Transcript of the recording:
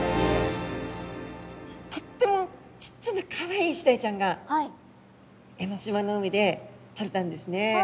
とってもちっちゃなかわいいイシダイちゃんが江の島の海でとれたんですね。